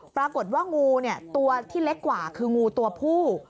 ปรากฏว่างูตัวที่เล็กกว่าคืองูตัวผู้